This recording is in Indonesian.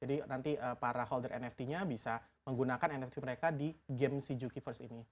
jadi nanti para holder nft nya bisa menggunakan nft mereka di game si jukiverse ini